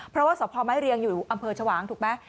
เพราะว่าสพไม้เรียงอยู่อำเภอชวางถูกไหม